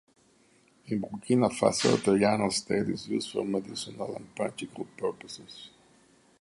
In Burkina Faso, the hyena's tail is used for medicinal and magical purposes.